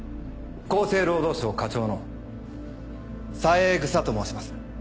厚生労働省課長の三枝と申します。